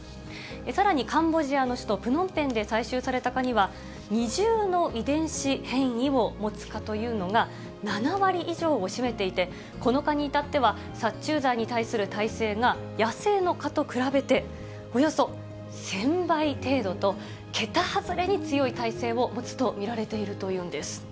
さらにカンボジアの首都プノンペンで採取された蚊には、二重の遺伝子変異を持つ蚊というのが７割以上を占めていて、この蚊に至っては、殺虫剤に対する耐性が野生の蚊と比べておよそ１０００倍程度と、桁外れに強い耐性を持つと見られているんです。